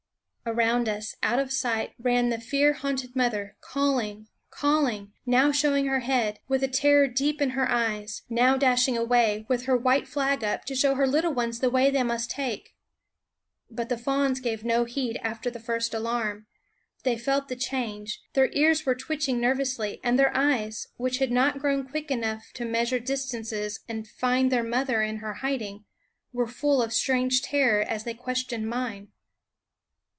Around us, out of sight, ran the fear haunted mother, calling, calling; now show ing her head, with the terror deep in her eyes; now dashing away, with her white flag up, to show her little ones the way they must take. But the fawns gave no heed after the THE WOODS B> first alarm. They felt the change ; their ears were twitching nervously, and their eyes, ~ r ..,,. u 11 i i What me fawns which had not yet grown quick enough to ^, measure distances and find their mother in j, her hiding, were full of strange terror as they questioned mine.